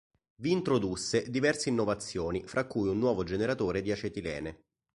Vi introdusse diverse innovazioni, fra cui un nuovo generatore di acetilene.